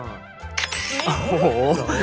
โอ้โห